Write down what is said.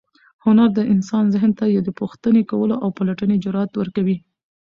هنر د انسان ذهن ته د پوښتنې کولو او پلټنې جرات ورکوي.